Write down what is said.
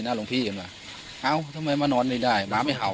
หลวงพี่กันว่ะเอ้าทำไมมานอนไม่ได้หมาไม่เห่า